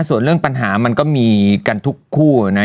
ส่วนเรื่องปัญหามันก็มีกันทุกคู่นะ